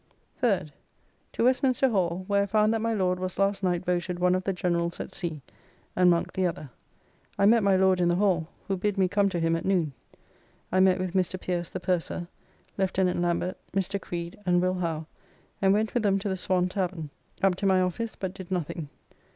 3d. To Westminster Hall, where I found that my Lord was last night voted one of the Generals at Sea, and Monk the other. I met my Lord in the Hall, who bid me come to him at noon. I met with Mr. Pierce the purser, Lieut. Lambert, Mr. Creed, and Will. Howe, and went with them to the Swan tavern. Up to my office, but did nothing.